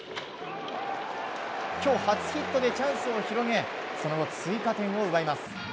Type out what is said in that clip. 今日初ヒットでチャンスを広げその後、追加点を奪います。